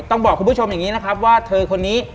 ต้องบอกคุณผู้ชมอย่างนี้นะครับว่าเธอคนนี้